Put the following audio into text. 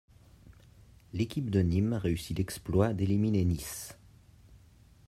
L'équipe de Nîmes réussit l'exploit d'éliminer Nice.